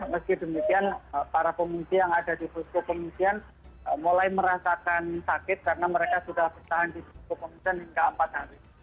meski demikian para pemimpin yang ada di busku pemimpin mulai merasakan sakit karena mereka sudah bersahan di busku pemimpin hingga empat hari